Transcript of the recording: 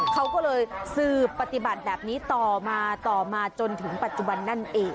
เขาก็เลยสืบปฏิบัติแบบนี้ต่อมาต่อมาจนถึงปัจจุบันนั่นเอง